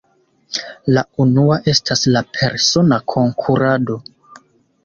La unua estas la persona konkurado.